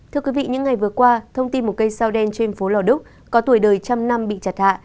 thưa quý vị những ngày vừa qua thông tin một cây sao đen trên phố lò đúc có tuổi đời một trăm linh năm bị chặt hạ